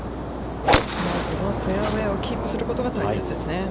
フェアウェイをキープすることが大切ですね。